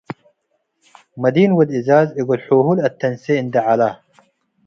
መዲን ወድ እዛዝ እግል ሑሁ ለአተንሴ እንዴ ዐለ።